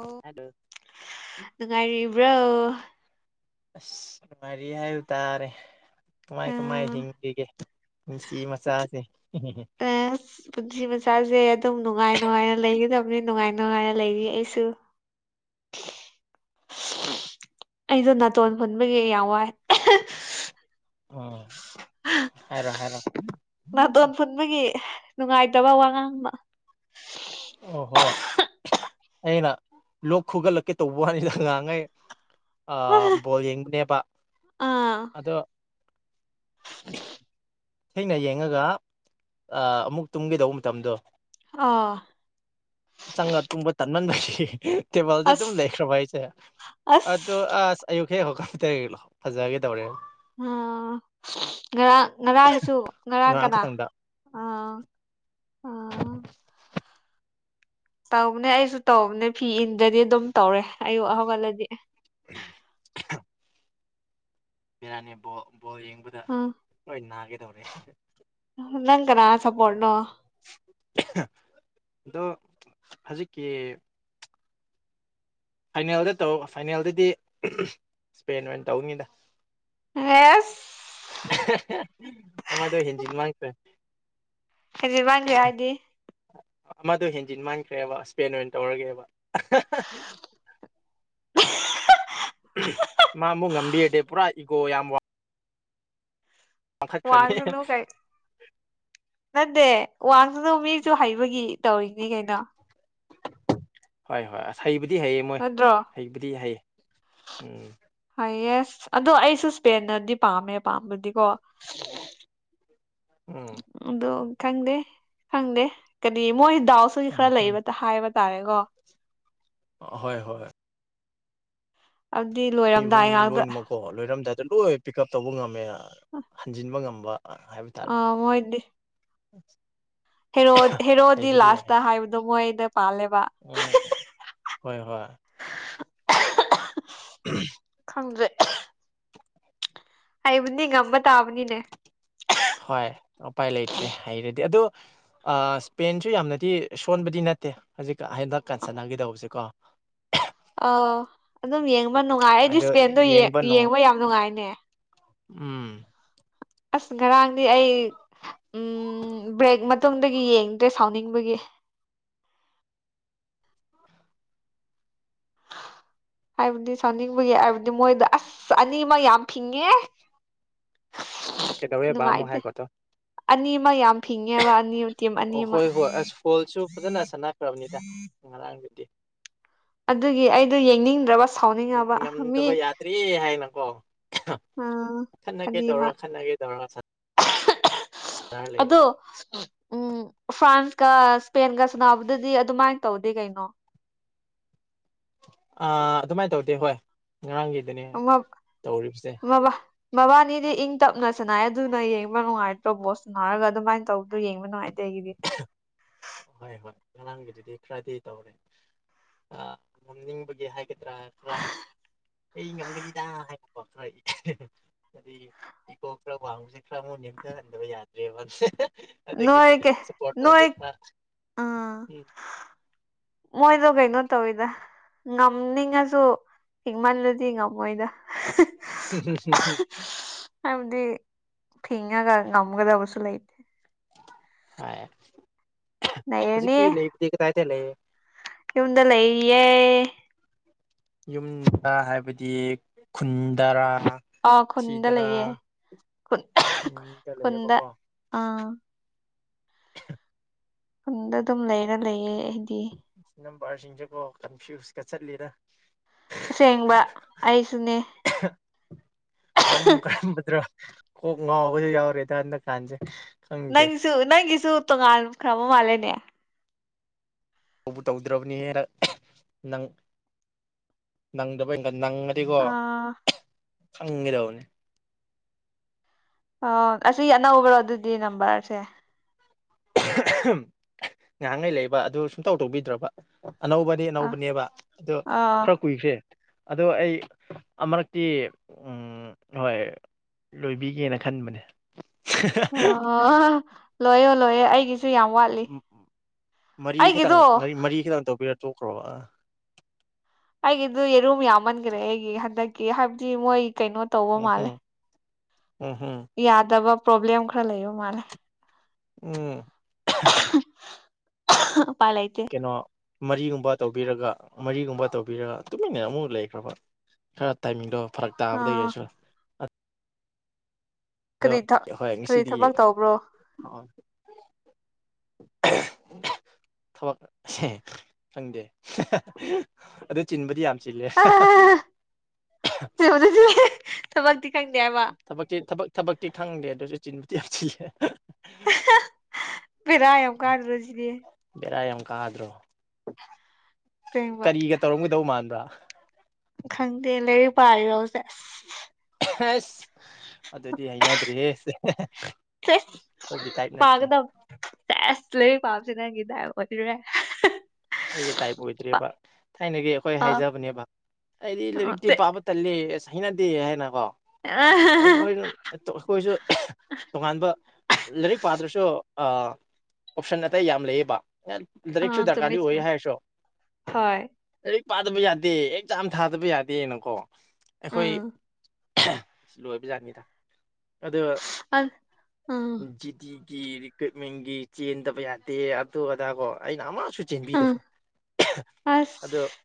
ꯑꯣ ꯑꯗꯨ ꯅꯨꯡꯉꯥꯏꯔꯤꯕ꯭ꯔꯥꯣ ꯑꯁ ꯅꯨꯡꯉꯔꯤ ꯍꯥꯏꯨ ꯇꯥꯔꯦ ꯀꯃꯥꯏ ꯀꯃꯥꯏ ꯑꯥ, ꯍꯤꯡꯈꯤꯒꯦ ꯁꯤ ꯃꯆꯥꯥꯁꯦ ꯑꯁ ꯄꯨꯟꯁꯤ ꯃꯆꯥꯁꯦ ꯑꯗꯨꯝ ꯅꯨꯡꯉꯥꯏ ꯅꯨꯡꯉꯥꯏꯅ ꯂꯩꯒꯗꯕꯅꯤ ꯅꯨꯡꯉꯥꯏ ꯅꯨꯡꯉꯥꯏꯅ ꯂꯩꯔꯤ ꯑꯩꯁꯨ ꯑꯩꯗꯣ ꯅꯥꯇꯣꯟ ꯍꯨꯟꯕꯒꯤ ꯌꯥꯝ ꯋꯥꯏ ꯎꯝ ꯍꯥꯏꯔꯣ ꯍꯥꯏꯔꯣ ꯃꯥ ꯗꯣꯟ ꯄꯨꯅꯤ ꯈꯟꯕꯒꯤ ꯅꯨꯡꯉꯥꯏꯇꯕ ꯋꯥꯉꯥꯡ ꯑꯃ ꯑꯣ ꯍꯣ ꯑꯩꯅ ꯂꯣꯛ ꯈꯨꯒꯠꯂꯛꯀꯦ ꯇꯧꯕ ꯋꯥꯅꯤꯗ ꯅꯉꯥꯡꯈꯩ ꯕꯣꯜ ꯌꯦꯡꯕꯅꯦꯕ ꯑꯥ ꯑꯗꯣ ꯊꯦꯡꯅ ꯌꯦꯡꯉꯒ ꯑꯃꯨꯛ ꯇꯨꯝꯒꯗꯧꯕ ꯃꯇꯝꯗꯣ ꯑꯥ ꯆꯪꯉ ꯇꯨꯝꯕ ꯇꯟꯃꯟꯕꯩ ꯇꯦꯕꯜꯗ ꯑꯗꯨꯝ ꯑꯁ ꯂꯩꯈ꯭ꯔꯕ ꯑꯩꯁꯦ ꯑꯣ ꯑꯁ ꯑꯁ ꯑꯌꯨꯛ ꯍꯦꯛ ꯍꯧꯛꯥ ꯇꯔꯤꯂꯣ ꯐꯖꯒꯦ ꯇꯧꯔꯦ ꯑꯣ ꯉꯔꯥꯡ ꯉꯔꯥꯡꯁꯨ ꯉꯔꯥꯡ ꯀꯅꯥ ꯑ [unintelligible] ꯇꯧꯕꯅꯦ ꯑꯩꯁꯨ ꯇꯧꯕꯅꯦ ꯐꯤ ꯏꯟꯗ꯭ꯔꯗꯤ ꯑꯗꯨꯝ ꯇꯧꯔꯦ ꯑꯌꯨꯛ ꯍꯧꯒꯠꯂꯗꯤ ꯎꯝ ꯕꯤꯔꯌꯥꯅꯤꯕꯣ ꯌꯦꯡꯕ ꯎꯝ ꯅꯪ ꯀꯅꯥ ꯆ ꯄꯠꯅꯣ ꯗꯣ ꯍꯧꯖꯤꯛꯀꯤ ꯐꯥꯏꯅꯦꯜꯗ ꯇꯧ ꯐꯥꯏꯅꯦꯜꯗꯗꯤ ꯎꯍꯝ ꯁ꯭ꯄꯦꯟꯅ ꯑꯣꯏꯅ ꯇꯧꯅꯤꯗ [inaudible] ꯑꯃꯗꯣ ꯍꯦꯟꯖꯤꯟꯃꯟꯈ꯭ꯔꯦ [unintelligible] ꯍꯥꯏꯗꯤ ꯑꯃꯗꯣ ꯍꯦꯟꯖꯤꯟ ꯃꯥꯟꯈ꯭ꯔꯦꯕ ꯏꯁꯄꯦꯟ ꯑꯣꯏꯅ ꯇꯧꯔꯒꯦꯕ ꯃꯥꯃꯨꯛ ꯉꯝꯕꯤꯔꯗꯤ ꯄꯨꯔꯥ ꯏꯒꯣ ꯌꯥꯝ ꯋꯥ ꯋꯥꯡꯈꯠꯈ꯭ꯔꯅꯤ ꯋꯥꯁꯨꯅꯣ ꯅꯠꯇꯦ ꯋꯥꯡꯗꯁꯨ ꯃꯤꯁꯨ ꯍꯩꯕꯒꯤ ꯇꯧꯔꯤꯅꯤ ꯀꯩꯅꯣ ꯍꯣꯏ ꯍꯣꯏ ꯍꯩꯕꯨꯗꯤ ꯍꯩꯌꯦ ꯃꯣꯏ ꯅꯠꯇ꯭ꯔꯣ ꯍꯩꯕꯨꯗꯤ ꯍꯩꯌꯦ ꯎꯝ ꯍꯥꯏꯌꯦꯁ ꯑꯗꯣ ꯑꯩꯁꯨ ꯏꯁꯄꯦꯟꯅꯗꯤ ꯄꯥꯝꯃꯦ ꯄꯥꯝꯕꯗꯤꯀꯣ ꯎꯝ ꯑꯗꯨ ꯈꯪꯗꯦ ꯈꯪꯗꯦ ꯀꯔꯤ ꯃꯣꯏ ꯗꯥꯎꯁꯨ ꯎꯝ ꯈꯔ ꯎꯝ ꯂꯩꯕꯇ ꯍꯥꯏꯕ ꯇꯥꯔꯦꯒꯣ ꯍꯣꯏ ꯍꯣꯏ ꯑꯗꯨꯢ ꯂꯣꯏꯔꯝꯗꯥꯏ ꯉꯥꯛꯇ ꯀꯣ ꯂꯣꯏꯔꯝꯗꯥꯏꯗ ꯂꯣꯏ ꯄꯤꯛ ꯎꯞ ꯇꯧꯕ ꯉꯝꯃꯦ ꯍꯟꯖꯤꯟꯕ ꯉꯝꯕ ꯍꯥꯏꯕ ꯀꯣ ꯑ ꯃꯣꯏꯗꯤ [unintelligible] ꯍꯦꯔꯣ ꯍꯦꯔꯣꯗꯤ ꯍꯩꯕꯨꯗꯤ ꯌꯥꯏ ꯂꯥꯁꯇ ꯍꯥꯏꯕꯗꯣ ꯃꯣꯏꯗ ꯄꯥꯜꯂꯦꯕ ꯎꯝ ꯍꯣꯏ ꯍꯣꯏ [unintelligible] ꯈꯪꯗ꯭ꯔꯦ ꯑꯩꯕꯨꯗꯤ ꯉꯝꯕ ꯇꯥꯕꯅꯤꯅꯦ ꯍꯣꯏ ꯎꯄꯥꯏ ꯂꯩꯇ꯭ꯔꯦ ꯍꯩꯔꯗꯤ ꯑꯗꯣ ꯑꯥ ꯁ꯭ꯄꯦꯟꯁꯨ ꯌꯥꯝꯅꯗꯤ ꯁꯣꯟꯕꯗꯤ ꯅꯠꯇꯦ ꯍꯖꯤꯛ ꯍꯟꯗꯛ ꯀꯟꯁꯟꯅꯒꯤꯗꯧꯕꯁꯦ ꯀꯣ [inaudible] ꯑ ꯑꯗꯨꯝ ꯌꯦꯡꯕ ꯅꯨꯡꯉꯥꯏ ꯑꯩꯗꯤ ꯑꯗꯣ ꯁꯄ꯭ꯂꯦꯟꯗꯣ ꯅꯨꯡ ꯌꯦꯡꯕ ꯌꯥꯝ ꯅꯨꯡꯉꯥꯏꯅꯦ ꯎꯝ ꯑꯁ ꯉꯔꯥꯡꯗꯤ ꯑꯩ ꯎꯝ ꯕ꯭ꯔꯦꯛ ꯃꯇꯨꯡꯗꯒꯤ ꯌꯦꯡꯗ꯭ꯔꯦ ꯁꯥꯎꯅꯤꯡꯕꯒꯤ ꯍꯥꯏꯕꯗꯤ ꯁꯥꯎꯅꯤꯡꯕꯒꯤ ꯍꯥꯏꯕꯗꯤ ꯃꯣꯏꯗꯣ ꯑꯁ ꯑꯅꯤꯃꯥ ꯌꯥꯝ ꯐꯤꯡꯉꯦ ꯀꯩꯗꯧꯋꯦꯕ ꯑꯃꯨꯛ ꯅꯨꯡꯉꯥꯏꯇꯦ ꯍꯥꯏꯈꯣꯠꯇꯣ ꯑꯅꯤ ꯑꯃ ꯌꯥꯝ ꯐꯤꯡꯉꯦꯕ ꯑꯅꯤ ꯇꯤꯝ ꯑꯣ ꯑꯅꯤꯃꯛ ꯍꯣꯏ ꯍꯣꯏ ꯑꯁ ꯐꯣꯜꯁꯨ ꯐꯖꯅ ꯁꯥꯟꯅꯈ꯭ꯔꯕꯅꯤꯗ ꯉꯔꯥꯡꯗꯨꯗꯤ ꯑꯗꯨꯒꯤ ꯑꯩꯗꯣ ꯌꯦꯡꯅꯤꯡꯗ꯭ꯔꯕ ꯁꯥꯎꯅꯤꯡꯉꯕ ꯃꯤ ꯉꯝꯗꯕ ꯌꯥꯗ꯭ꯔꯦ ꯍꯥꯏꯅꯀꯣ ꯑꯥ ꯈꯟꯅꯒꯦ ꯇꯧꯔ ꯑꯅꯤꯃꯛ ꯈꯟꯅꯒꯦ ꯇꯧꯔ ꯁꯥꯟꯅꯔ ꯂꯩꯔꯦ ꯑꯗꯣ ꯎꯝ ꯐ꯭ꯔꯥꯟꯁꯀ ꯁꯄꯦꯟꯒ ꯁꯅꯥꯕꯗꯨꯗꯤ ꯑꯗꯨꯃꯥꯏꯅ ꯇꯧꯗꯦ ꯀꯩꯅꯣ ꯑꯥ ꯑꯗꯨꯃꯥꯏ ꯇꯧꯔꯗꯤ ꯍꯣꯏ ꯉꯔꯥꯡꯒꯤ [unintelligible] ꯃꯕꯥꯅꯤꯗꯤ ꯏꯪ ꯇꯞꯅ ꯁꯅꯥꯏ ꯑꯗꯨꯅ ꯌꯦꯡꯕ ꯅꯨꯡꯉꯥꯏꯇ꯭ꯔꯣ ꯕꯣꯁꯅꯥ ꯍꯥꯏꯔꯒ ꯑꯗꯨꯃꯥꯏꯅ ꯇꯧꯗꯣ ꯌꯦꯡꯕ ꯅꯨꯡꯉꯥꯏꯇꯦ ꯑꯩꯒꯤꯗꯤ ꯍꯣꯏ ꯍꯣꯏ ꯉꯔꯥꯡꯒꯤꯗꯨꯗꯤ ꯈꯔꯗꯤ ꯇꯧꯔꯦ ꯉꯝꯅꯤꯡꯕꯒꯤ ꯍꯥꯏ ꯈꯔ ꯈꯔ ꯑꯩ ꯉꯝꯒꯅꯤꯗ ꯍꯥꯏꯔꯀꯣ ꯏꯀꯣ ꯈꯔ ꯋꯥꯡꯕꯁꯦ ꯈꯔ ꯃꯨꯛ ꯅꯤꯝꯊꯍꯟꯗꯕ ꯌꯥꯗ꯭ꯔꯦꯕꯁꯦ ꯑꯗꯒꯤ ꯅꯣꯏ ꯀꯩ ꯁꯄꯣꯔ ꯇ ꯅꯣꯏ ꯑꯥ ꯎꯝ [inaudible] ꯃꯣꯏꯗꯣ ꯀꯩꯩꯅꯣ ꯇꯧꯏꯗ ꯉꯝꯅꯤꯡꯉꯖꯨ ꯄꯤꯛꯃꯜꯂꯗꯤ ꯉꯝꯃꯣꯏꯗ ꯍꯨꯝ ꯍꯨꯝ ꯍꯨꯝ ꯍꯥꯏꯕꯗꯤ ꯐꯤꯡꯉꯥꯒ ꯉꯝꯒꯗꯕꯁꯨ ꯂꯩꯇꯦ ꯍꯥꯏ ꯂꯩꯔꯅꯤ ꯍꯧꯖꯤꯛꯇꯤ ꯂꯩꯇꯦ ꯀꯗꯥꯏꯗ ꯂꯩ ꯌꯨꯝꯗ ꯂꯩꯌꯦ ꯌꯨꯝꯗ ꯍꯥꯏꯕꯗꯤ ꯈꯨꯟꯗꯔꯥ ꯍꯥ ꯑ ꯈꯨꯟꯗ ꯂꯩꯌꯦ ꯈꯨꯟ ꯌꯨꯝꯗ ꯈꯨꯟꯗ ꯂꯩꯌꯦꯕꯀꯣ ꯑꯥ ꯈꯨꯟꯗ ꯑꯗꯨꯝ ꯂꯩꯔ ꯂꯩꯌꯦ ꯑꯩꯗꯤ ꯅꯝꯕꯤ ꯁꯤꯡꯁꯦ ꯒꯣ ꯀꯟꯐꯨꯢꯁꯒ ꯆꯠꯂꯤꯗ ꯑꯁꯦꯡꯕ ꯑꯩꯁꯨꯅꯦ ꯀꯔꯝ ꯀꯔꯝꯕꯗ꯭ꯔꯣ ꯀꯣꯛ ꯉꯥꯎꯕꯖꯨ ꯌꯥꯎꯔꯦꯗ ꯍꯟꯗꯛ ꯀꯥꯟꯁꯦ ꯅꯪꯁꯨ ꯅꯪꯒꯤꯁꯨ ꯇꯣꯉꯥꯟꯈ꯭ꯔꯕ ꯃꯥꯜꯂꯦꯅꯦ ꯇꯧꯕꯨ ꯇꯧꯗ꯭ꯔꯕꯅꯤꯍꯦ ꯗꯛ ꯅꯪ ꯅꯪꯗꯕꯩ ꯅꯪꯉꯗꯤꯀꯣ ꯑꯥ ꯈꯪꯒꯗꯧꯕꯅꯦ ꯑ ꯑꯁꯤ ꯑꯅꯧꯕꯔꯣ ꯑꯗꯨꯗꯤ ꯅꯝꯕꯔꯁꯦ [unintelligible] ꯉꯥꯍꯥꯡꯉꯩ ꯂꯩꯕ ꯑꯗꯨ ꯁꯨꯡꯇꯧ ꯇꯧꯕꯤꯗ꯭ꯔꯕ ꯑꯅꯧꯕ ꯑꯥ ꯑꯅꯧꯕꯅꯦꯕ ꯑꯗꯣ ꯑꯥ ꯈꯔ ꯀꯨꯏꯈꯔꯦ ꯑꯗꯣ ꯑꯩ ꯑꯃꯨꯔꯛꯇꯤ ꯍꯣꯏ ꯂꯣꯏꯕꯤꯒꯦꯅ ꯈꯟꯕꯅꯦ ꯑꯥ ꯂꯣꯏꯌꯣ ꯂꯣꯏꯌꯦꯦ ꯑꯩꯒꯤꯁꯨ ꯌꯥꯝ ꯋꯥꯠꯂꯤ ꯃꯔꯤ ꯈꯤꯇꯪ ꯑꯩꯒꯤꯗꯣ ꯃꯔꯤ ꯈꯤꯇꯪ ꯇꯧꯕꯤꯔ ꯇꯣꯛꯈ꯭ꯔꯣꯕ ꯑꯩꯒꯤꯗꯨ ꯌꯦꯔꯨꯝ ꯌꯥꯝꯃꯟꯈ꯭ꯔꯦ ꯑꯩꯒꯤ ꯍꯟꯗꯛꯀꯤ ꯍꯥꯏꯕꯗꯤ ꯃꯣꯏ ꯀꯩꯅꯣ ꯇꯧꯕ ꯃꯥꯜꯂꯦ ꯎꯍꯨꯝ ꯎꯍꯨꯝ ꯌꯥꯗꯕ ꯄ꯭ꯔꯣꯕ꯭ꯂꯦꯝ ꯈꯔꯥ ꯂꯩꯕ ꯃꯥꯟꯂꯦ ꯎꯝ ꯎꯄꯥꯏ ꯂꯩꯇꯦ ꯀꯩꯅꯣ ꯃꯔꯤꯒꯨꯝꯕ ꯇꯧꯕꯤꯔꯒ ꯃꯔꯤꯒꯨꯝꯕ ꯇꯧꯕꯤꯔ ꯇꯨꯃꯤꯟꯅ ꯑꯃꯨꯛ ꯂꯩꯈ꯭ꯔꯕ ꯈꯔ ꯇꯥꯏꯃꯤꯡꯗꯣ ꯐꯔꯛ ꯇꯥꯕꯗꯩ ꯑꯥ ꯑꯩꯁꯨ ꯑꯗꯣ ꯀꯔꯤ ꯊ ꯀꯔꯤ ꯊꯕꯛ ꯇꯧꯕ꯭ꯔꯣ ꯍꯣꯏ ꯊꯕꯛꯁꯦ ꯈꯪꯗꯦ ꯑꯗꯣ ꯆꯤꯟꯕꯗꯤ ꯌꯥꯝ ꯆꯤꯜꯂꯦ ꯊꯕꯛꯇꯤ ꯈꯪꯗꯦꯕ ꯊꯕꯛꯇꯤ ꯊꯕꯛ ꯊꯕꯛꯇꯤ ꯈꯪꯗꯦ ꯑꯗꯨꯁꯨ ꯆꯤꯟꯕꯨꯗꯤ ꯌꯥꯝ ꯆꯤꯟꯂꯦ ꯕꯦꯔꯥ ꯌꯝ ꯀꯘ꯭ꯔꯣ ꯑꯗꯨꯗꯤ ꯕꯦꯔꯥ ꯌꯥꯝ ꯀꯥꯗ꯭ꯔꯣ ꯑꯁꯦꯡꯕ ꯀꯔꯤꯒ ꯇꯧꯔꯝꯒꯗꯧ ꯃꯥꯟꯕ꯭ꯔꯥ ꯈꯪꯗꯦ ꯂꯩꯔꯤꯛ ꯄꯥꯔꯤꯔꯣ ꯍꯧꯖꯤꯛ ꯑꯁ ꯑꯗꯨꯗꯤ ꯍꯩꯅꯗ꯭ꯔꯦ ꯍꯦ ꯄꯥꯒꯗꯝ ꯆꯦꯁ ꯂꯏꯔꯤꯛ ꯄꯥꯕꯁꯦ ꯅꯪꯒꯤꯗꯥꯏ ꯑꯣꯏꯗꯨꯔꯦ ꯑꯩꯒꯤ ꯇꯥꯏꯞ ꯑꯣꯏꯗ꯭ꯔꯦꯕ ꯊꯥꯏꯅꯒꯤ ꯑꯩꯈꯣꯏ ꯑ ꯍꯥꯏꯖꯕꯅꯦꯕ ꯍꯏꯗꯤ ꯑ ꯂꯥꯏꯔꯤꯛꯇꯤ ꯄꯥꯕ ꯇꯥꯟꯂꯦꯍꯦ ꯑꯁ ꯍꯩꯅꯗꯦꯍꯦ ꯍꯥꯏꯅꯀꯣ ꯑ ꯑꯩꯈꯣꯏꯁꯨ ꯇꯣꯉꯥꯟꯕ ꯂꯥꯏꯔꯤꯛ ꯄꯥꯗ꯭ꯔꯁꯨ ꯑꯣꯞꯁꯟ ꯑꯇꯩ ꯌꯥꯝ ꯂꯩꯌꯦꯕ ꯂꯥꯏꯔꯤꯛꯁꯨ ꯆꯨꯝꯃꯦ ꯗꯔꯀꯥꯔꯗꯤ ꯑꯣꯏ ꯆꯨꯝꯃꯦ ꯍꯥꯏꯔꯁꯨ ꯍꯣꯏ ꯂꯥꯏꯔꯤꯛ ꯄꯥꯗꯕ ꯌꯥꯗꯦ ꯑꯦꯛꯖꯥꯝ ꯊꯥꯗꯕ ꯌꯥꯗꯦꯅꯀꯣ ꯑꯩꯈꯣꯏ ꯎꯝ ꯂꯣꯏꯕ ꯖꯥꯠꯅꯤꯗ ꯑꯗꯨ ꯑ ꯎꯝ ꯖꯤꯗꯤ ꯖꯤ ꯔꯤꯀ꯭ꯔꯨꯠꯃꯦꯟꯒꯤ ꯆꯦꯟꯗꯕ ꯌꯥꯗꯦ ꯑꯗꯨ ꯑꯗꯥ ꯀꯣ ꯑꯩꯅ ꯑꯃꯁꯨ ꯎꯝ ꯆꯦꯟꯕꯤꯘꯕꯥ ꯑꯁ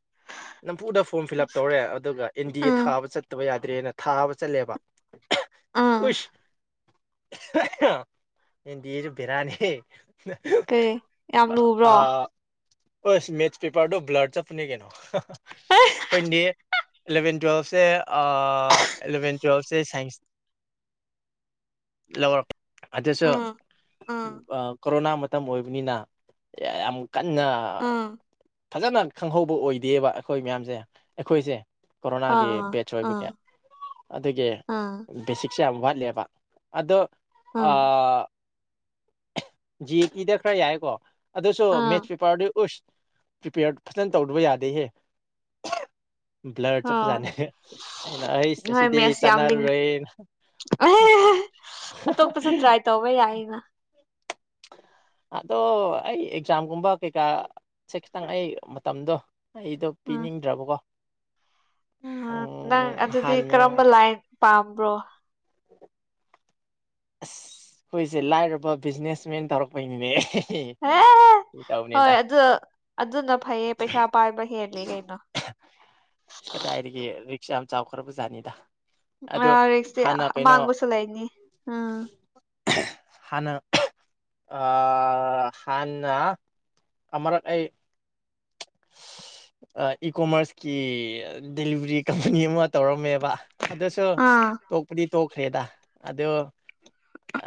ꯅꯝꯐꯨꯗ ꯐ꯭ꯔꯣꯝ ꯐꯤꯜ ꯑꯞ ꯇꯧꯔꯦ ꯑꯗꯨꯒ ꯑꯦꯟ ꯗꯤ ꯑꯦ ꯎꯝ ꯊꯥꯕ ꯆꯠꯇꯕ ꯌꯥꯗ꯭ꯔꯦꯅ ꯊꯥꯕ ꯆꯠꯂꯦꯕ꯫ ꯎꯝ [unintelligible] ꯑꯦꯟꯗꯤꯑꯦ ꯁꯨ ꯕꯦꯔꯥꯅꯤ ꯍꯦ ꯀꯩ ꯌꯥꯝ ꯑ ꯂꯨꯕ꯭ꯔꯣ ꯑꯁ ꯃꯦꯠꯁ ꯄꯦꯄꯔꯗꯣ ꯕ꯭ꯂꯔꯠ ꯆꯠꯄꯅꯦ ꯀꯩꯅꯣ ꯑꯩꯈꯣꯏꯗꯤ ꯏꯂꯚꯦꯟ ꯇꯨꯌꯦꯜꯕꯁꯦ ꯏꯂꯚꯦꯟ ꯇꯨꯌꯦꯜꯕꯁꯦ ꯁꯥꯏꯟꯁ ꯂꯧꯔꯛꯑꯦ ꯑꯗꯨꯁꯨ ꯎꯝ ꯎꯝ ꯀꯣꯔꯣꯅꯥ ꯃꯇꯝ ꯑꯣꯏꯕꯅꯤꯅ ꯌꯥꯝ ꯀꯟꯅ ꯎꯝ ꯐꯖꯅ ꯈꯪꯍꯧꯕ ꯑꯣꯏꯗꯦꯕ ꯑꯩꯈꯣꯏ ꯃꯌꯥꯝꯁꯦ ꯑꯩꯈꯣꯏꯁꯦ꯫ ꯀꯣꯔꯣꯅꯥꯒꯤ ꯑꯥ ꯕꯦꯠꯆ ꯑꯥ ꯑꯣꯏꯕꯒꯤ ꯑꯗꯨꯒꯤ ꯑꯥ ꯕꯦꯁꯤꯛꯁꯦ ꯌꯥꯝ ꯋꯥꯠꯂꯦꯕ ꯑꯗꯣ ꯑ ꯑꯥ ꯖꯤ ꯑꯦ ꯇꯤꯗ ꯈꯔ ꯌꯥꯏꯌꯦꯀꯣ꯫ ꯑꯗꯨꯁꯨ ꯃꯦꯠꯁ ꯑꯥ ꯄꯦꯄꯔꯗꯤ ꯎꯁ ꯄ꯭ꯔꯤꯄꯦꯌꯔ ꯐꯖꯅ ꯇꯧꯗꯕ ꯌꯥꯗꯦꯍꯦ ꯕ꯭ꯂꯔꯗ ꯑꯥ ꯆꯠꯄꯖꯥꯠꯅꯤ ꯑꯩꯅ ꯑꯩ ꯍꯣꯏ ꯑꯁꯤꯗꯤ ꯑꯩ ꯃꯦꯁ ꯌꯥꯝ ꯂꯤꯡ ꯆꯥꯟꯅꯔꯨꯔꯣꯏꯍꯦ [unintelligible] ꯑꯃꯨꯛꯁꯨꯁꯦ ꯇ꯭ꯔꯥꯏ ꯇꯧꯕ ꯌꯥꯏꯌꯦꯅ ꯑꯗꯣ ꯑꯩ ꯑꯦꯛꯖꯥꯝꯒꯨꯝꯕ ꯀꯩꯀꯥꯁꯦ ꯈꯤꯇꯪ ꯑꯩ ꯃꯇꯝꯗꯣ ꯑꯩꯗꯣ ꯎꯝ ꯄꯤꯅꯤꯡꯗ꯭ꯔꯕꯀꯣ ꯎꯝ ꯅꯪ ꯑꯗꯨꯗꯤ ꯀꯔꯝꯕ ꯂꯥꯏꯟ ꯄꯥꯝꯕ꯭ꯔꯣ ꯑꯁ ꯑꯩꯈꯣꯏꯁꯦ ꯂꯥꯏꯔꯕ ꯕꯤꯖꯤꯅꯦꯁ ꯃꯦꯟ ꯇꯧꯔꯛꯄꯩꯅꯦ ꯍꯣꯏ ꯑꯗꯣ ꯑꯗꯨꯅꯥ ꯐꯩꯌꯦ ꯄꯩꯁꯥ ꯄꯥꯏꯕꯥ ꯍꯦꯟꯂꯤ ꯀꯩꯅꯣ ꯑꯁ ꯀꯗꯥꯏꯘꯒꯤ ꯔꯤꯛꯁꯥ ꯌꯥꯝ ꯆꯥꯎꯈ꯭ꯔꯕ ꯖꯥꯠꯅꯤꯗ ꯑꯗꯣ ꯑ ꯔꯤꯛꯁꯇꯤ ꯍꯥꯟꯅ ꯀꯩꯅꯣ ꯑꯃꯥꯡꯕꯁꯨ ꯂꯩꯕꯅꯤ ꯎꯝ [unintelligible] ꯍꯅ [unintelligible] ꯍꯥꯟꯅ ꯑꯃꯔꯛ ꯑꯩ ꯏꯀꯣꯃꯔꯁꯀꯤ ꯗꯦꯂꯤꯚꯔꯤ ꯀꯝꯄꯅꯤ ꯑꯃ ꯇꯧꯔꯝꯃꯦꯕ ꯑꯗꯨꯁꯨ ꯑꯥ ꯇꯣꯛꯄꯨꯗꯤ ꯇꯣꯛꯈ꯭ꯔꯦꯗ ꯑꯗꯨ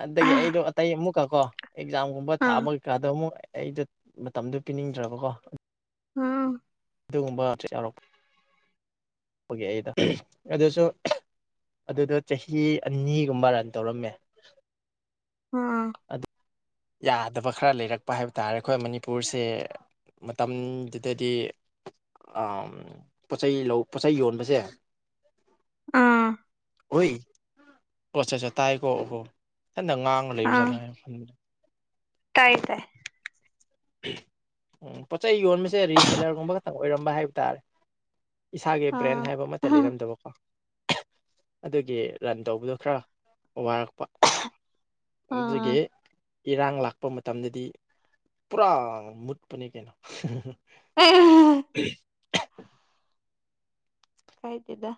ꯑꯗꯒꯤ ꯑꯩꯗꯣ ꯑꯇꯩ ꯑꯃꯨꯛ ꯀꯣ ꯑꯦꯛꯖꯥꯝꯒꯨꯝꯕ ꯑꯥ ꯊꯥꯕ ꯀꯩꯀꯥꯗꯣ ꯑꯃꯨꯛ ꯑꯩꯗꯣ ꯃꯇꯝꯗꯨꯣ ꯄꯤꯅꯤꯡꯗ꯭ꯔꯕꯀꯣ ꯎꯝ ꯑꯗꯨꯒꯨꯝꯕ ꯌꯥꯎꯔꯛꯄ ꯄꯨꯒꯤ ꯑꯩꯗꯣ ꯑꯗꯨꯁꯨ ꯑꯗꯨꯗꯣ ꯆꯍꯤ ꯑꯅꯤꯒꯨꯝꯕ ꯔꯟ ꯇꯧꯔꯝꯃꯦ ꯑꯥ꯫ ꯑꯗꯨ ꯌꯥꯗꯕ ꯈꯔ ꯂꯩꯔꯛꯄ ꯍꯥꯏꯕ ꯇꯥꯔꯦ ꯑꯩꯈꯣꯏ ꯃꯅꯤꯄꯨꯔꯁꯦ꯫ ꯃꯇꯝꯗꯨꯗꯗꯤ ꯄꯣꯠꯆꯩ ꯂꯧ ꯄꯣꯠꯆꯩ ꯌꯣꯟꯕꯁꯦ ꯑꯥ ꯍꯣꯏ ꯑꯣꯠ ꯆꯠ ꯆꯠ ꯇꯥꯏꯀꯣ ꯑꯣꯕꯣ ꯍꯟꯗ ꯃꯡꯉ ꯂꯩꯕ ꯎꯝ ꯖꯠꯅ ꯍꯥꯏꯅ ꯈꯟꯕꯅꯦ ꯇꯥꯏ ꯇꯏ ꯎꯝ ꯄꯣꯠꯆꯩ ꯌꯣꯟꯕꯁꯦ ꯔꯤꯁꯦꯂꯔꯒꯨꯝꯕ ꯈꯛꯇꯪ ꯑꯣꯏꯔꯝꯕ ꯍꯥꯏꯕ ꯇꯥꯔꯦ ꯏꯁꯥꯒꯤ ꯑꯥ ꯕ꯭ꯔꯦꯟ ꯍꯥꯏꯕ ꯑꯃꯠꯇ ꯂꯩꯔꯝꯗꯕꯀꯣ ꯑꯗꯨꯒꯤ ꯔꯟ ꯇꯧꯕꯗꯣ ꯈꯔ ꯋꯥꯔꯛꯄ ꯑꯥ ꯑꯗꯨꯒꯤ ꯏꯔꯥꯡ ꯂꯥꯛꯄ ꯃꯇꯝꯗꯗꯤ ꯄꯨꯔ ꯃꯨꯠꯄꯅꯤ ꯀꯩꯅꯣ ꯀꯥꯏꯗꯦꯗ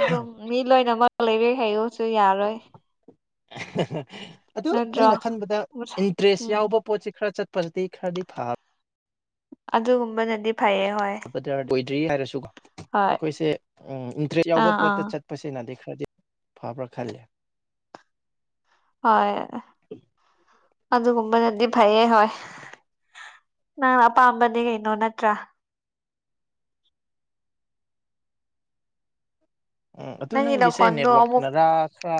ꯑꯗꯨꯝ ꯃꯤ ꯂꯣꯏꯅꯃꯛ ꯂꯩꯕ ꯍꯥꯏꯌꯨꯁꯨ ꯌꯥꯔꯣꯏ ꯑꯗꯨ ꯅꯠꯇ꯭ꯔꯣ ꯑꯩꯅ ꯈꯟꯕꯗ ꯏꯟꯇꯔꯦꯁ ꯎꯝ ꯌꯥꯎꯕ ꯄꯣꯠꯁꯤ ꯈꯔ ꯆꯠꯄꯗꯨꯗꯤ ꯈꯔꯗꯤ ꯐꯥꯕ꯫ ꯑꯗꯨꯒꯨꯝꯕꯅꯗꯤ ꯐꯩꯌꯦ ꯍꯣꯏ꯫ ꯂ ꯑꯣꯏꯗ꯭ꯔꯤ ꯍꯥꯏꯔꯁꯨꯀꯣ ꯍꯣꯏ ꯑꯩꯈꯣꯏꯁꯦ ꯎ ꯏꯟꯇꯔꯦꯁ ꯑꯥ ꯌꯥꯎꯕ ꯑꯥ ꯄꯣꯠꯇ ꯆꯠ ꯄꯁꯦꯡꯅꯗꯤ ꯈꯔꯗꯤ ꯐꯕ꯭ꯔꯥ ꯈꯜꯂꯦ꯫ ꯍꯣꯏ ꯑꯗꯨꯒꯨꯝꯕꯅꯗꯤ ꯐꯩꯌꯦ ꯍꯣꯏ꯫ ꯅꯪ ꯑꯄꯥꯝꯕꯅꯤ ꯀꯩꯅꯣ ꯅꯠꯇ꯭ꯔꯥ꯫ ꯎꯝ ꯑꯗꯨ ꯅꯪꯒꯤ ꯅꯪꯒꯤꯁꯦ ꯅꯈꯣꯟꯗꯣ ꯑꯃꯨꯛ ꯅꯦꯠꯋꯛꯅꯔꯥ ꯈꯔ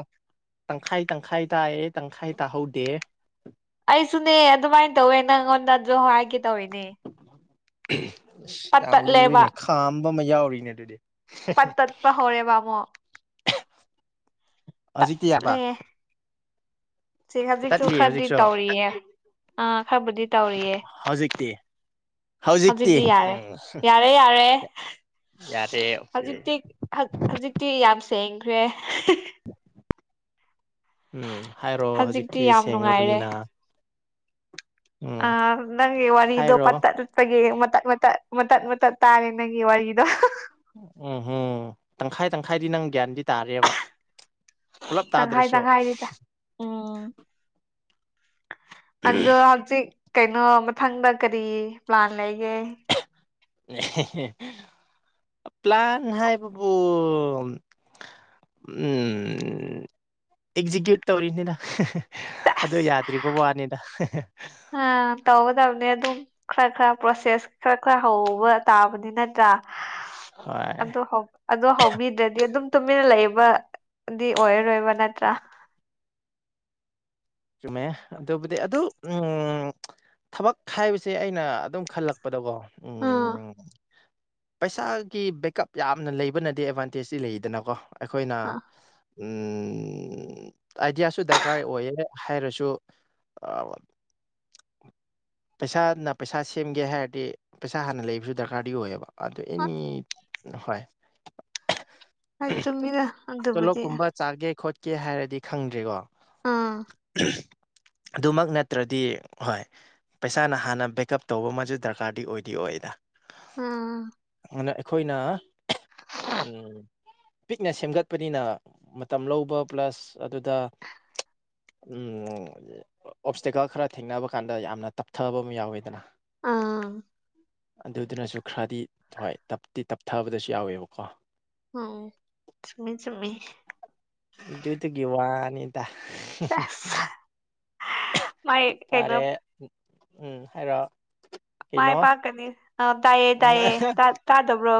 ꯇꯪꯈꯥꯏ ꯇꯪꯈꯥꯏ ꯇꯥꯏꯑꯦ ꯇꯪꯈꯥꯏ ꯇꯥꯍꯧꯗꯦ꯫ ꯑꯩꯁꯨꯅꯦ ꯑꯗꯨꯃꯥꯏꯅ ꯇꯧꯋꯦ ꯅꯪꯉꯣꯟꯗ ꯑꯗꯨ ꯍꯥꯏꯒꯦ ꯇꯧꯔꯤꯅꯦ ꯑꯁ ꯄꯠ ꯌꯥꯝ ꯇꯠꯂꯦꯕ ꯂꯨꯔꯤꯅꯦ ꯈꯥꯝꯕ ꯑꯃ ꯌꯥꯎꯔꯤꯅꯦ ꯑꯗꯨꯗꯤ꯫ ꯄꯠ ꯇꯠꯄ ꯍꯧꯔꯦꯕꯕꯥꯃꯣ ꯍꯧꯖꯤꯛ ꯀꯌꯥꯕ ꯇꯠꯂꯦ ꯁꯤ ꯍꯧꯖꯤꯛꯁꯨ ꯇꯠꯂꯤ ꯈꯔꯗꯤ ꯍꯧꯖꯤꯛꯁꯨ ꯇꯧꯔꯤꯌꯦ ꯑ ꯈꯔꯕꯨꯗꯤ ꯇꯧꯔꯤꯌꯦ ꯍꯧꯖꯤꯛꯇꯤ ꯍꯧꯖꯤꯛꯇꯤ ꯌꯥꯔꯦ ꯌꯥ ꯌꯥꯔꯦ ꯌꯥꯔꯦ ꯌꯥꯔꯦ ꯑꯣꯀꯦ ꯍꯧꯖꯤꯛꯇꯤ꯫ ꯍꯧꯖꯤꯛꯇꯤ ꯌꯥꯝ ꯁꯦꯡꯈ꯭ꯔꯦ ꯎꯝ ꯍꯥꯏꯔꯣ ꯍꯧꯖꯤꯛꯇꯤ ꯍꯧꯖꯤꯛꯀꯤ ꯌꯥꯝ ꯅꯨꯡꯉꯥꯏꯔꯦ ꯁꯦꯡꯡꯂ꯭ꯔꯕꯅꯤꯅ ꯑ ꯅꯪ ꯋꯥꯟꯣ ꯄ ꯍꯥꯏꯔꯣ ꯑꯩꯈꯣꯏꯒꯤ ꯃꯇꯠ ꯃꯇꯠ ꯃꯇꯠ ꯃꯇꯠ ꯇꯥꯔꯦ ꯅꯪꯒꯤ ꯋꯥꯔꯤꯗꯣ ꯎꯝ ꯎꯝ ꯇꯪꯈꯥꯏ ꯇꯪꯈꯥꯏꯗꯤ ꯅꯪ ꯒ꯭ꯌꯥꯟꯗꯤ ꯇꯥꯔꯦꯕ ꯄꯨꯂꯞ ꯇꯪꯈꯥꯏ ꯇꯥꯗ꯭ꯔꯁꯨ꯫ ꯇꯪꯈꯥꯏꯅꯤꯗ ꯎꯝ ꯑꯗꯣ ꯍꯧꯖꯤꯛ ꯀꯩꯅꯣ ꯃꯊꯪꯗ ꯀꯔꯤ ꯄ꯭ꯂꯥꯟ ꯂꯩꯒꯦ꯫ ꯄ꯭ꯂꯥꯟ ꯍꯥꯏꯕꯕꯨ ꯑꯦꯛꯖꯤꯀ꯭ꯌꯨꯠ ꯇꯧꯔꯤꯅꯤꯗ꯫ ꯑ ꯌꯥꯗ꯭ꯔꯤꯕ ꯋꯥꯅꯤꯗ ꯑꯥ ꯇꯧꯒꯗꯕꯅꯦ ꯑꯗꯨꯝ ꯈꯔ ꯈꯔ ꯄ꯭ꯔꯣꯁꯦꯁ ꯈꯔ ꯈꯔ ꯍꯧꯕ ꯇꯥꯕꯅꯤ ꯅꯠꯇ꯭ꯔꯥ ꯍꯣꯏ ꯑꯗꯣ ꯍꯧꯛ꯫ ꯑꯗꯣ ꯍꯧꯕꯤꯗ꯭ꯔꯗꯤ ꯑꯗꯨꯝ ꯇꯨꯃꯤꯟꯅ ꯂꯩꯕ ꯗꯤ ꯑꯣꯏꯔꯔꯣꯏꯕ ꯅꯠꯇ꯭ꯔꯥ ꯆꯨꯝꯃꯦ ꯑꯗꯨꯕꯨꯗꯤ ꯑꯗꯨ ꯎꯝ ꯊꯕꯛ ꯍꯥꯏꯕꯁꯦ ꯑꯩꯅ ꯑꯗꯨꯝ ꯈꯜꯂꯛꯄꯗꯀꯣ ꯎꯝ ꯄꯩꯁꯥꯒꯤ ꯕꯦꯛꯀꯞ ꯌꯥꯝꯅ ꯂꯩꯕꯅꯗꯤ ꯑꯦꯗꯚꯥꯟꯇꯦꯖꯇꯤ ꯂꯩꯗꯅꯀꯣ ꯑꯩꯈꯣꯏꯅ ꯑ ꯎꯝ ꯑꯥꯏꯗꯤꯌꯥꯁꯨ ꯗꯔꯀꯥꯔ ꯑꯣꯏꯌꯦ ꯍꯥꯏꯔꯁꯨ ꯑꯥ ꯄꯩꯁꯥꯅ ꯄꯩꯁꯥ ꯁꯦꯝꯒꯦ ꯍꯥꯏꯔꯗꯤ ꯄꯩꯁꯥ ꯍꯥꯟꯅ ꯂꯩꯕꯁꯨ ꯗꯔꯀꯥꯔꯗꯤ ꯑꯣꯏꯌꯦꯕ ꯑꯗꯨ ꯑꯦꯅꯤ ꯍꯣꯏ ꯍꯣꯏ ꯆꯨꯝꯃꯤꯗ ꯇꯣꯂꯣꯞ ꯑꯗꯨꯕꯨꯗꯤ ꯀꯨꯝꯕ ꯆꯥꯒꯦ ꯈꯣꯠꯀꯦ ꯍꯥꯏꯔꯗꯤ ꯈꯪꯗ꯭ꯔꯤꯀꯣ ꯑꯥ ꯑꯗꯨꯃꯛ ꯅꯠꯇ꯭ꯔꯗꯤ ꯍꯣꯏ ꯄꯩꯁꯥꯅ ꯍꯥꯟꯅ ꯕꯦꯛꯀꯑꯞ ꯇꯧꯕ ꯑꯃꯁꯨ ꯗꯔꯀꯥꯔꯗꯤ ꯑꯣꯏꯗꯤ ꯑꯣꯏꯌꯦꯗꯥ ꯎꯝ ꯑꯗꯨ ꯑꯩꯈꯣꯏꯅ ꯎꯝ꯫ ꯄꯤꯛꯅ ꯁꯦꯝꯒꯠꯄꯅꯤꯅ ꯃꯇꯝ ꯂꯧꯕ ꯄ꯭ꯂꯁ ꯑꯗꯨꯗ꯫ ꯎꯝ ꯑꯣꯞꯁꯇꯦꯀꯜ ꯈꯔ ꯊꯦꯡꯅꯕ ꯀꯥꯟꯗ ꯌꯥꯝꯅ ꯇꯞꯊꯕ ꯑꯃ ꯌꯥꯎꯋꯦꯗꯅ ꯑꯥ ꯑꯗꯨꯗꯨꯅꯁꯨ ꯈꯔꯗꯤ ꯍꯣꯏ ꯇꯞꯇꯤ ꯇꯞꯊꯕꯗꯁꯨ ꯌꯥꯎꯋꯦꯕꯀꯣ꯫ ꯎ ꯆꯃꯤ ꯆꯃꯤ ꯇꯒꯤꯈꯤꯕ ꯋꯥꯅꯤꯗ ꯁꯦꯁ ꯃꯥꯏ ꯀꯩꯅꯣ ꯐꯔꯦ ꯎꯝ ꯍꯥꯏꯔꯣ ꯃꯥꯏ ꯀꯩꯅꯣ ꯄꯥꯛꯀꯅꯤ ꯑ ꯇꯥꯏꯏꯌꯦ ꯎꯝ ꯇꯗꯥꯏꯌꯦ ꯇꯥꯗꯕ꯭ꯔꯣ